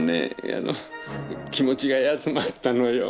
あの気持ちが休まったのよ。